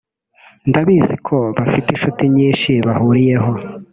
ndabizi ko bafite inshuti nyinshi bahuriyeho